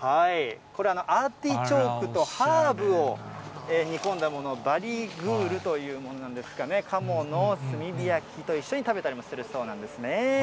これ、アーティチョークとハーブを煮込んだもの、バリグールというものなんですかね、鴨の炭火焼きと一緒に食べたりもするそうなんですね。